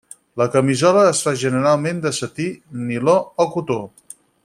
La camisola es fa generalment de setí, niló o cotó.